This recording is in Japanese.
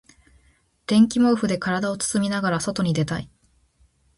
電気毛布で体を包みながら外に出たい。